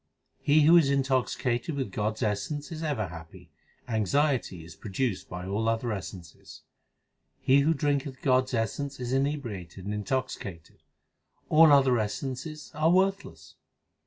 He who is intoxicated with God s essence is ever happy ; Anxiety is produced by all other essences. He who drinketh God s essence is inebriated and intoxi cated ; All other essences are worthless.